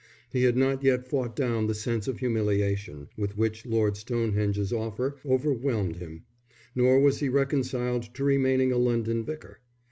He had not yet fought down the sense of humiliation with which Lord Stonehenge's offer overwhelmed him, nor was he reconciled to remaining a London vicar.